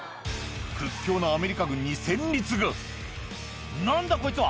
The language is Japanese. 屈強なアメリカ軍に戦慄が「何だこいつは！